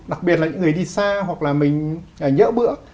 đặc biệt là những người đi xa hoặc là mình nhỡ bữa